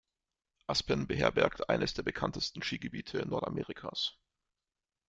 Aspen beherbergt eines der bekanntesten Skigebiete Nordamerikas.